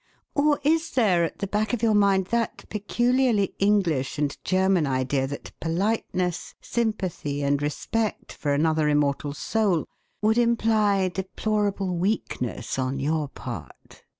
Or is there at the back of your mind that peculiarly English and German idea that politeness, sympathy, and respect for another immortal soul would imply deplorable weakness on your part?